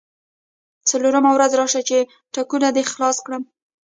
څلورمه ورځ راشه چې ټکونه دې خلاص کړم.